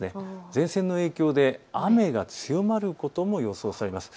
前線の影響で雨が強まることも予想されます。